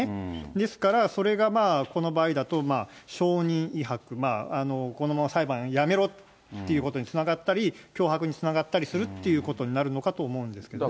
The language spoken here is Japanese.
ですから、それがこの場合だと証人威迫、このまま裁判やめろっていうことにつながったり、脅迫につながったりするっていうことになるのかと思うんですけどね。